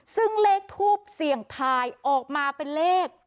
ซึ่งเลขทูปเสี่ยงทายออกมาเป็นเลข